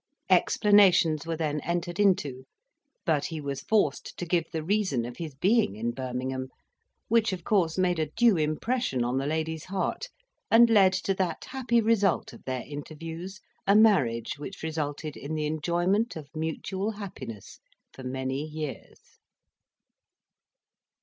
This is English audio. Explanations were then entered into; but he was forced to give the reason of his being in Birmingham, which of course made a due impression on the lady's heart, and led to that happy result of their interviews a marriage which resulted in the enjoyment of mutual happiness for many years.